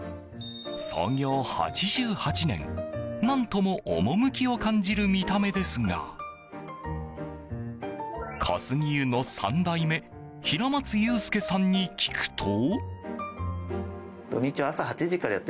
創業８８年、何とも趣を感じる見た目ですが小杉湯の３代目平松佑介さんに聞くと。